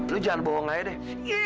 lu jangan bohong aja deh